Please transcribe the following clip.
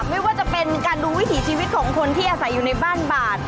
ไม่ว่าจะเป็นการดูวิถีชีวิตของคนที่อาศัยอยู่ในบ้านบาด